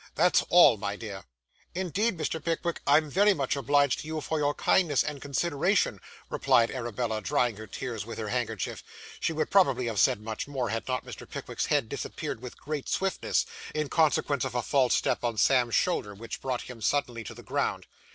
That's all, my dear.' 'Indeed, Mr. Pickwick, I am very much obliged to you for your kindness and consideration,' replied Arabella, drying her tears with her handkerchief. She would probably have said much more, had not Mr. Pickwick's head disappeared with great swiftness, in consequence of a false step on Sam's shoulder which brought him suddenly to the ground.